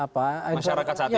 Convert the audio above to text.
masyarakat saat ini ya